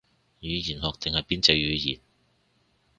語言學定係邊隻語言